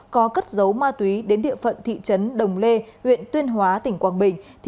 có cất dấu ma túy đến địa phận thị trấn đồng lê huyện tuyên hóa tỉnh quảng bình